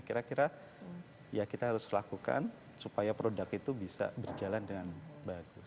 kira kira ya kita harus lakukan supaya produk itu bisa berjalan dengan bagus